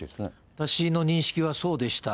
私の認識はそうでした。